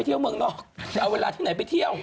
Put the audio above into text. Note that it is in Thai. เที่ยวเมืองนอกจะเอาเวลาที่ไหนไปเที่ยว